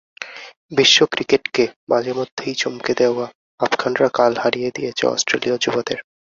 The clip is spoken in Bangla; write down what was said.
বিশ্ব ক্রিকেটকে মাঝেমধ্যেই চমকে দেওয়া আফগানরা কাল হারিয়ে দিয়েছে অস্ট্রেলীয় যুবাদের।